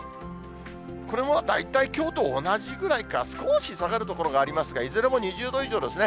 これも大体きょうと同じぐらいか、少し下がる所がありますが、いずれも２０度以上ですね。